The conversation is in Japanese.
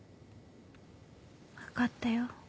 分かったよ。